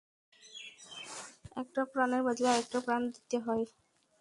একটা প্রাণের বদলে আরেকটা প্রাণ দিতে হয়!